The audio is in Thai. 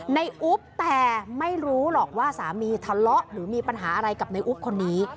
อุ๊บแต่ไม่รู้หรอกว่าสามีทะเลาะหรือมีปัญหาอะไรกับในอุ๊บคนนี้